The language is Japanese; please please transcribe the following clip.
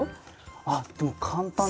あっでも簡単に。